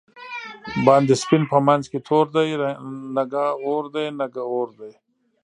باندی سپین په منځ کی تور دۍ، نگه اور دی نگه اور دی